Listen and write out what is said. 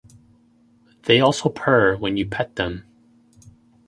They also purr when you "pet" them.